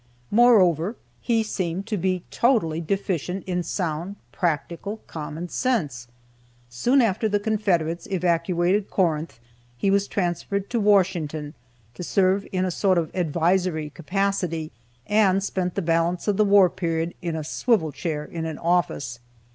Moreover, he seemed to be totally deficient in sound, practical common sense. Soon after the Confederates evacuated Corinth he was transferred to Washington to serve in a sort of advisory capacity, and spent the balance of the war period in a swivel chair in an office.